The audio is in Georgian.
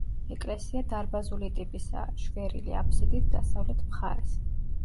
ეკლესია დარბაზული ტიპისაა, შვერილი აფსიდით დასავლეთ მხარეს.